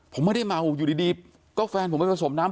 ผมไม่ได้เมาอยู่ดีก็แฟนผมไปผสมน้ำ